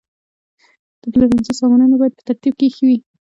د پلورنځي سامانونه باید په ترتیب کې ایښي وي.